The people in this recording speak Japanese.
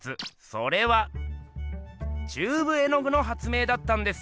それはチューブ絵具の発明だったんです！